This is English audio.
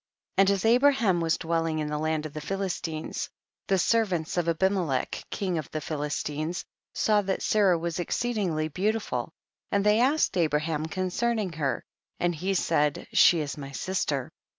3. And as Abraham was dwelling in the land of the Philistines, the ser vants of Abimelech, king of the Phi listines, saw that Sarah was exceed ingly beautiful, and they asked Abra ham concerning her, and he said, she is my sister.